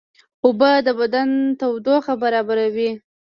اوبه د بدن تودوخه برابروي